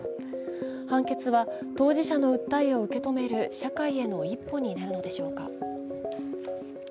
判決は当事者の訴えを受け止める社会への一歩になるのでしょうか。